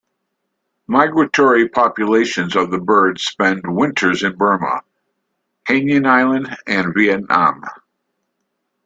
Migratory populations of the bird spend winters in Burma, Hainan Island, and Vietnam.